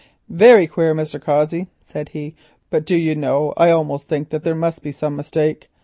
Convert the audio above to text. "Very queer, Mr. Cossey," said he, "but do you know, I almost think that there must be some mistake?